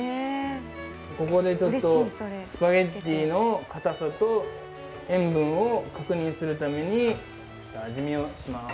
ここでちょっとスパゲッティのかたさと塩分を確認するために味見をします。